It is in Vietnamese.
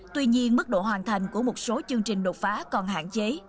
tuy nhiên mức độ hoàn thành của một số chương trình đột phá còn hạn chế